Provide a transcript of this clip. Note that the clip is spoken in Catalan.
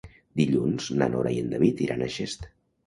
Dilluns na Nora i en David iran a Xest.